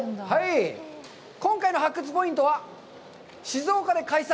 今回の発掘ポイントは「静岡で開催！